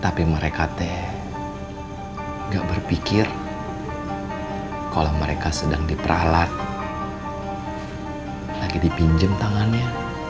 tapi mereka teh gak berpikir kalau mereka sedang diperalat lagi dipinjem tangannya